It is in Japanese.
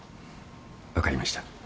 分かりました。